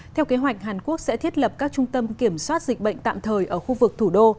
theo kế hoạch hàn quốc sẽ thiết lập các trung tâm kiểm soát dịch bệnh tạm thời ở khu vực thủ đô